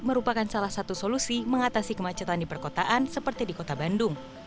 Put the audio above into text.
merupakan salah satu solusi mengatasi kemacetan di perkotaan seperti di kota bandung